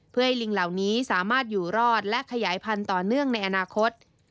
เพื่อให้ลิงเหล่านี้สามารถอยู่รอดและขยายพันธุ์ต่อเนื่องในอนาคต